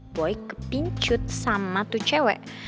boy kepincut sama tuh cewek